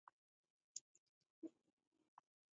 Neko na w'udumwa ghuboie.